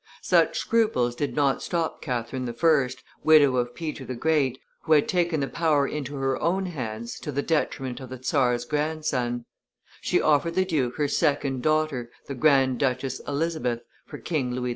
Such scruples did not stop Catherine I., widow of Peter the Great, who had taken the power into her own hands to the detriment of the czar's grandson; she offered the duke her second daughter, the grand duchess Elizabeth, for King Louis XV.